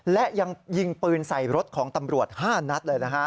และยังยิงปืนใส่รถของตำรวจ๕นัดเลยนะฮะ